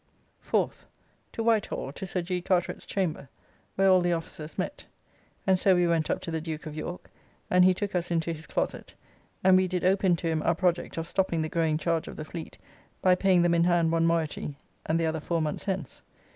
4th. To Whitehall to Sir G. Carteret's chamber, where all the officers met, and so we went up to the Duke of York, and he took us into his closet, and we did open to him our project of stopping the growing charge of the fleet by paying them in hand one moyety, and the other four months hence.